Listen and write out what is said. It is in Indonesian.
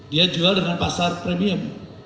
dia jual dengan pasar premium